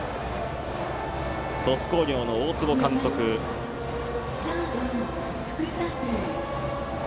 鳥栖工業の大坪監督です。